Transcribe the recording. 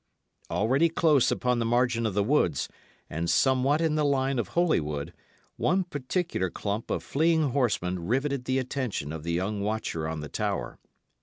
Already close upon the margin of the woods, and somewhat in the line of Holywood, one particular clump of fleeing horsemen riveted the attention of the young watcher on the tower.